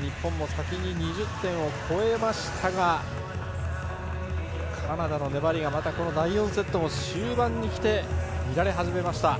日本も先に２０点を超えましたがカナダの粘りがまた第４セットも終盤にきて乱れ始めました。